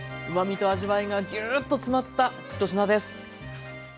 うまみと味わいがぎゅっと詰まった１品です。